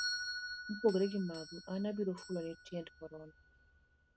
Mopogore gi mago, an abiro fulo ni tiend korona.